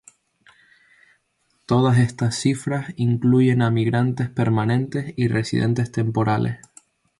Todas estas cifras incluyen a migrantes permanentes y residentes temporales.